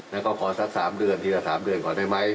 แล้วก็ขอสัก๓เดือนทีละ๓เดือนก่อนได้ไหม